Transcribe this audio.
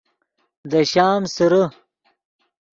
دے شام سیرے